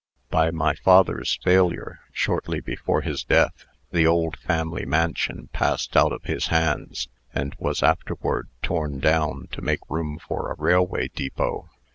By my father's failure, shortly before his death, the old family mansion passed out of his hands, and was afterward torn down to make room for a railway depot.